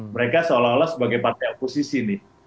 mereka seolah olah sebagai partai oposisi nih